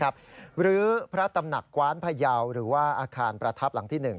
หรือพระตำหนักกว้านพยาวหรือว่าอาคารประทับหลังที่๑